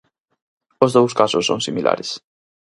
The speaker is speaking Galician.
Os dous casos son similares.